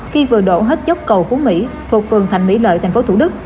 khi vừa đổ hết dốc cầu phú mỹ thuộc phường thành mỹ lợi thành phố thủ đức